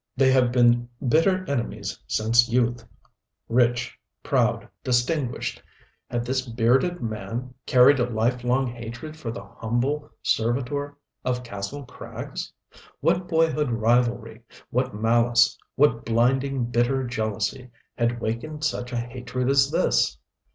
"They have been bitter enemies since youth." Rich, proud, distinguished, had this bearded man carried a life long hatred for the humble servitor of Kastle Krags? What boyhood rivalry, what malice, what blinding, bitter jealousy had wakened such a hatred as this?